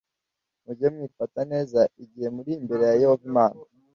muge mwifata neza igihe muri imbere ya yehova imana